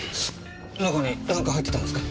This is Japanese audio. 中になんか入ってたんですか？